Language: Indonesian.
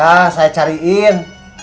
nah saya carikan